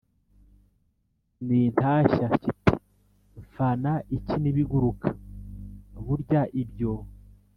n’intashya”, kiti: “Mfana iki n’ibiguruka”? Burya ibyo